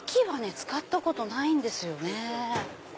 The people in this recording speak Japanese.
使ったことないんですよね。